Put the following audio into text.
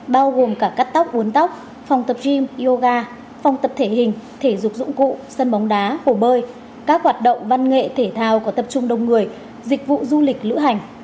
bao gồm cả cắt tóc uốn tóc phòng tập gym yoga phòng tập thể hình thể dục dụng cụ sân bóng đá hồ bơi các hoạt động văn nghệ thể thao có tập trung đông người dịch vụ du lịch lữ hành